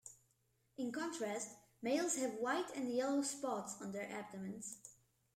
In contrast, males have white and yellow spots on their abdomens.